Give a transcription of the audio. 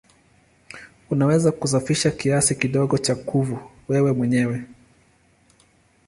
Unaweza kusafisha kiasi kidogo cha kuvu wewe mwenyewe.